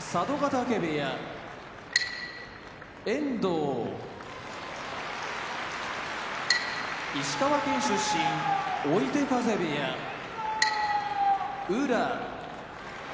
嶽部屋遠藤石川県出身追手風部屋宇良